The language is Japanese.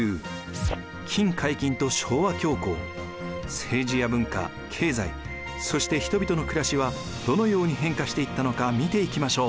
政治や文化経済そして人々の暮らしはどのように変化していったのか見ていきましょう。